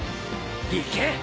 行け！